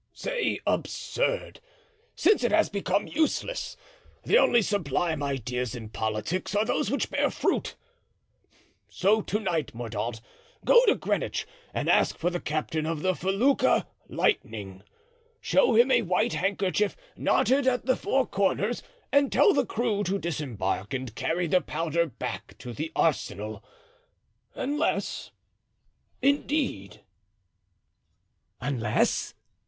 "Say absurd, since it has become useless. The only sublime ideas in politics are those which bear fruit. So to night, Mordaunt, go to Greenwich and ask for the captain of the felucca Lightning. Show him a white handkerchief knotted at the four corners and tell the crew to disembark and carry the powder back to the arsenal, unless, indeed——" "Unless?"